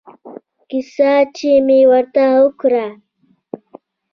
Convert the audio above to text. کيسه چې مې ورته وکړه.